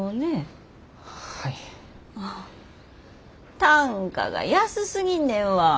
単価が安すぎんねんわ。